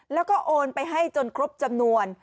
แล้วก็โอนไปให้จนครบจำนวน